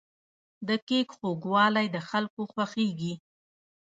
د کیک خوږوالی د خلکو خوښیږي.